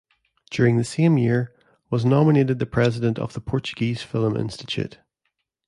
During the same year, was nominated the president of the Portuguese Film Institute.